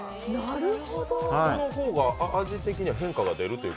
そのほうが味的には変化が出る？